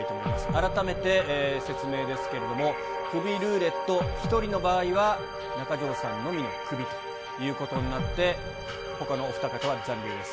改めて説明ですけれども、クビルーレット、１人の場合は中条さんのみのクビということになって、ほかのお２方は残留です。